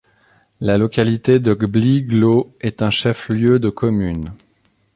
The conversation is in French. La localité de Gbliglo est un chef-lieu de commune.